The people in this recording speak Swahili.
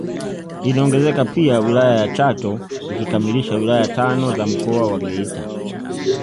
Inaongezeka pia wilaya ya Chato ikikamilisha wilaya tano za Mkoa wa Geita